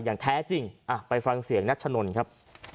อย่างแท้จริงไปฟังเสียงนัชนนครับ